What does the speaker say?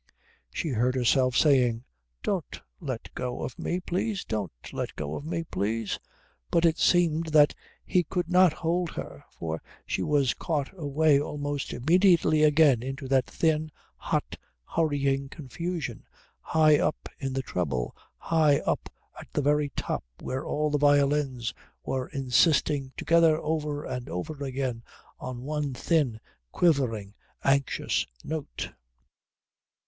She heard herself saying, "Don't let go of me please don't let go of me please " but it seemed that he could not hold her, for she was caught away almost immediately again into that thin, hot, hurrying confusion, high up in the treble, high up at the very top, where all the violins were insisting together over and over again on one thin, quivering, anxious note....